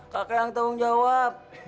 kakak yang tanggung jawab